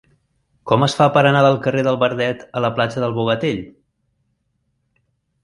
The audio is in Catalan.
Com es fa per anar del carrer del Verdet a la platja del Bogatell?